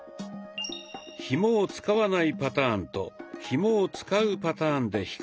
ひもを使わないパターンとひもを使うパターンで比較します。